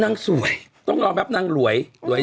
นั่งสวยต้องรอแป๊บนั่งหลวย